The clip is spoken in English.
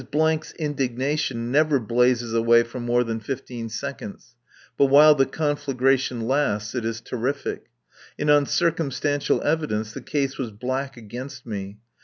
's indignation never blazes away for more than fifteen seconds; but while the conflagration lasts it is terrific. And on circumstantial evidence the case was black against me.